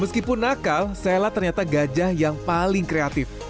meskipun nakal sela ternyata gajah yang paling kreatif